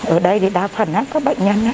ở đây thì đa phần các bệnh nhân